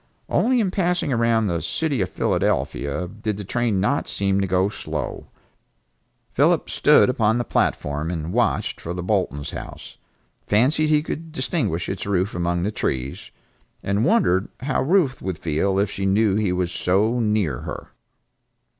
Only in passing around the city of Philadelphia did the train not seem to go slow. Philip stood upon the platform and watched for the Boltons' house, fancied he could distinguish its roof among the trees, and wondered how Ruth would feel if she knew he was so near her.